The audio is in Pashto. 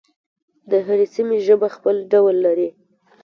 د هرې سیمې ژبه خپل ډول لري.